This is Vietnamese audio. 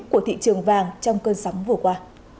của thị trường vàng trong cơn sóng vừa qua